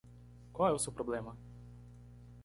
qual é o seu problema